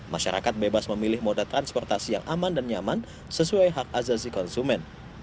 masyarakat bebas memilih moda transportasi yang aman dan nyaman sesuai hak azazi konsumen